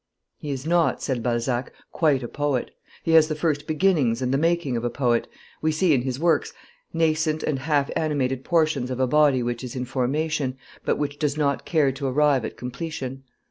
'He is not,' said Balzac, 'quite a poet; he has the first beginnings and the making of a poet; we see in his works nascent and half animated portions of a body which is in formation, but which does not care to arrive at completion.